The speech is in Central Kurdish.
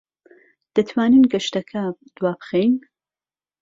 دەتوانین گەشتەکە دوابخەین؟